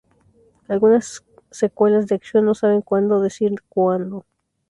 Algunas secuelas de acción no saben cuándo decir cuando.